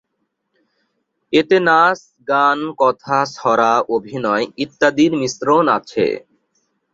এতে নাচ, গান, কথা, ছড়া, অভিনয় ইত্যাদির মিশ্রণ আছে।